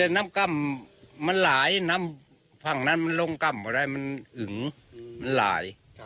น้ำกล้ำมันหลายน้ำฝั่งนั้นมันลงกล้ำอะไรมันอึงมันหลาย